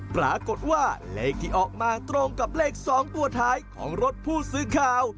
ปรากฏว่าเลขที่ออกมาตรงกับเลข๒ตัวท้ายของรถผู้สื่อข่าว